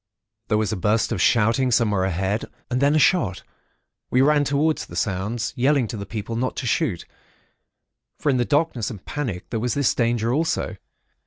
There was a burst of shouting somewhere ahead, and then a shot. We ran towards the sounds, yelling to the people not to shoot; for in the darkness and panic there was this danger also.